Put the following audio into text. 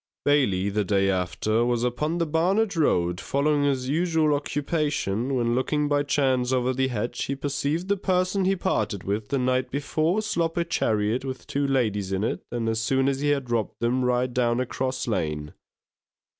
Bailey, the day after, was upon the Barnet Road, following his usual occupation, when looking by chance over the hedge, he perceived the person he parted with the night before, slop a chariot with two ladies in it, and as soon as he had robbed them, ride down a cross lane.